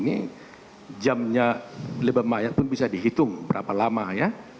ini jamnya lebam mayat pun bisa dihitung berapa lama ya